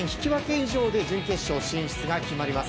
以上で準決勝進出が決まります。